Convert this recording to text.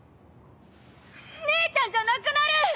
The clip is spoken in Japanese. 姉ちゃんじゃなくなる！